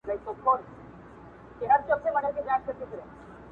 • یوه ورځ ګورې چي ولاړ سي له جهانه -